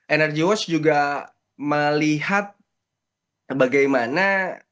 energy wash juga melihat bagaimana